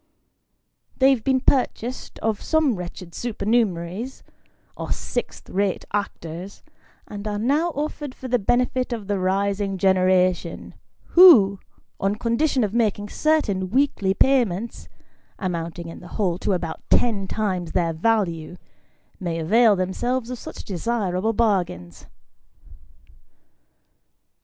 They have been purchased of some wretched supernumeraries, or sixth rate actors, and are now offered for the benefit of the rising generation, who, on condition of making certain weekly payments, amounting in the whole to about ten times their value, may avail themselves of such desirable bargains.